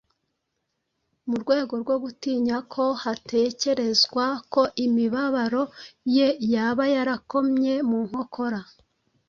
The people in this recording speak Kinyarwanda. Mu rwego rwo gutinya ko hatekerezwa ko imibabaro ye yaba yarakomye mu nkokora